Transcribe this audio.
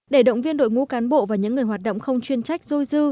để động viên đội ngũ cán bộ và những người hoạt động không chuyên trách dôi dư